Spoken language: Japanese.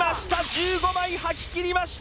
１５枚はき切りました